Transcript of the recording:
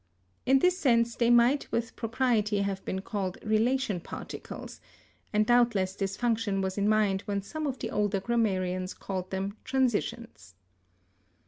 In this sense they might with propriety have been called relation particles, and doubtless this function was in mind when some of the older grammarians called them transitions.